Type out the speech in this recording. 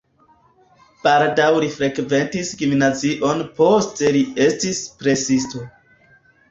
Baldaŭ li frekventis gimnazion, poste li estis presisto.